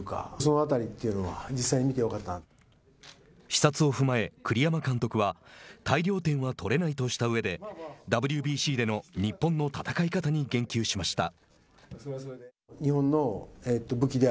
視察を踏まえ栗山監督は大量点は取れないとした上でＷＢＣでの日本の戦い方に言及しました。